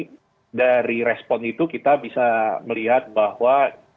jadi dari respon itu kita bisa melihat bahwa